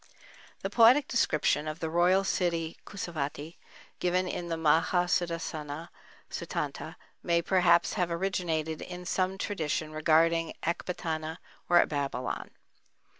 The poetic description of the royal city Kusavati, given in the Maha Sudassana Suttanta, may perhaps have originated in some tradition regarding Ecbatana or Babylon.